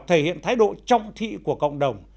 thể hiện thái độ trọng thị của cộng đồng